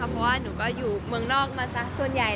เพราะว่าหนูก็อยู่เมืองนอกมาสักส่วนใหญ่